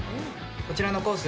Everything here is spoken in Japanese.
こちらのコース